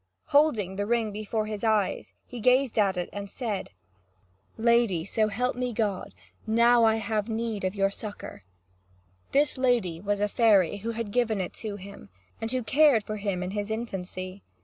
Holding the ring before his eyes, he gazed at it, and said: "Lady, lady, so help me God, now I have great need of your succour!" This lady was a fairy, who had given it to him, and who had cared for him in his infancy.